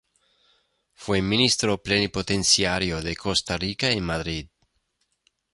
Fue Ministro Plenipotenciario de Costa Rica en Madrid.